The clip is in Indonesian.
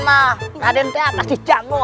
raden itu masih janggo